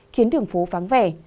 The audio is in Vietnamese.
khiến đường phố vắng vẻ